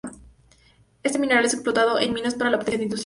Este mineral es explotado en minas para la obtención industrial de litio.